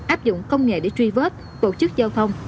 áp dụng công nghệ để truy vết tổ chức giao thông